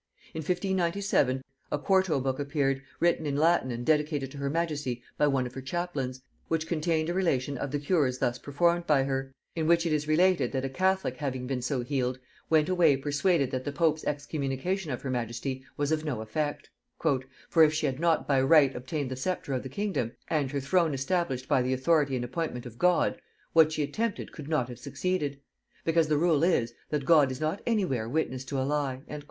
In 1597 a quarto book appeared, written in Latin and dedicated to her majesty by one of her chaplains, which contained a relation of the cures thus performed by her; in which it is related, that a catholic having been so healed went away persuaded that the pope's excommunication of her majesty was of no effect: "For if she had not by right obtained the sceptre of the kingdom, and her throne established by the authority and appointment of God, what she attempted could not have succeeded. Because the rule is, that God is not any where witness to a lie."